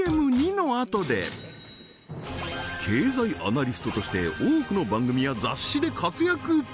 はいそれは経済アナリストとして多くの番組や雑誌で活躍